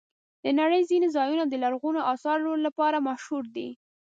د نړۍ ځینې ځایونه د لرغونو آثارو لپاره مشهور دي.